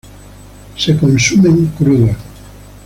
Se los consume crudos.